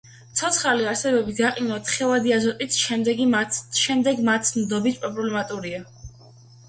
ცოცხალი არსებების გაყინვა თხევადი აზოტით შემდეგი მათი დნობით პრობლემატურია.